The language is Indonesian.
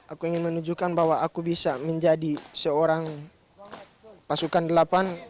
aku ingin menunjukkan bahwa aku bisa menjadi seorang pasukan delapan